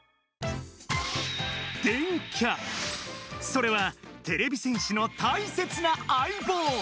それはてれび戦士のたいせつなあいぼう。